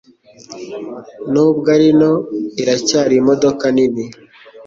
Nubwo ari nto, iracyari imodoka nini.